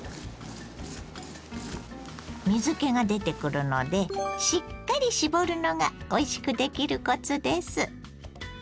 水けが出てくるのでしっかり絞るのがおいしくできるコツです。